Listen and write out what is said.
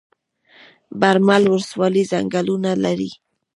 برمل ولسوالۍ ځنګلونه لري؟